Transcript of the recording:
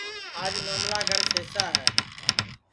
آج نوملا گھرا سئسا ہے